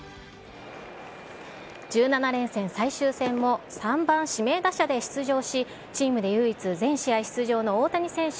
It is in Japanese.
１７連戦最終戦を、３番指名打者で出場し、チームで唯一全試合出場の大谷選手。